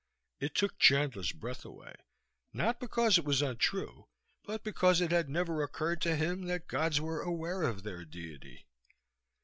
It took Chandler's breath away not because it was untrue, but because it had never occurred to him that gods were aware of their deity.